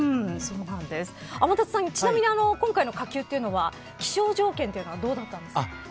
天達さんちなみに今回の火球いうのは気象条件はどうだったんですか。